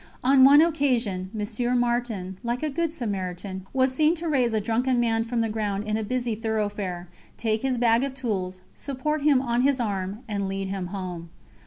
On one occasion Monsieur Martin, like a good Samaritan, was seen to raise a drunken man from the ground in a busy thoroughfare, take his bag of tools, support him on his arm, and lead him home.